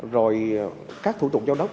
rồi các thủ tục giao đất